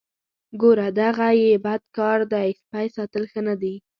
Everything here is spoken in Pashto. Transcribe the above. ګوره دغه یې بد کار دی سپی ساتل ښه نه دي.